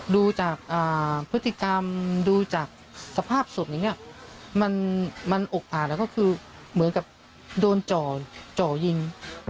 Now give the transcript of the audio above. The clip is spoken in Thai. ดูจากพฤติกรรมดูจากสภาพศพอย่างนี้มันอกอ่านแล้วก็คือเหมือนกับโดนจ่อยิง